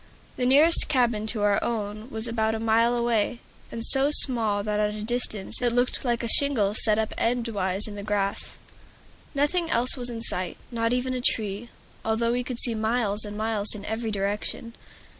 The nearest cabin to our own was about a mile away, and so small that at that distance it looked like a shingle set up endwise in the grass. Nothing else was in sight, not even a tree, although we could see miles and miles in every direction.